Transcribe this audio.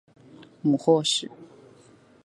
母翟氏。